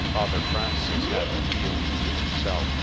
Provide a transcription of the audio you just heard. Father Francis had the field to himself.